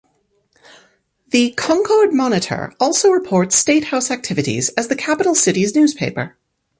The "Concord Monitor" also reports State House activities as the capital city's newspaper.